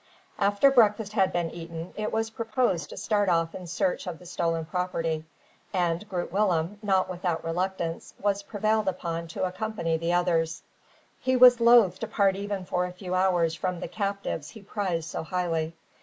After breakfast had been eaten, it was proposed to start off in search of the stolen property; and Groot Willem, not without reluctance, was prevailed upon to accompany the others. He was loath to part even for a few hours from the captives he prized so highly.